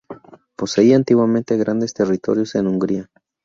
Poseía antiguamente grandes territorios en Hungría.